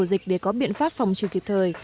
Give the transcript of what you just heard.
ổ dịch để có biện pháp phòng trừ kịp thời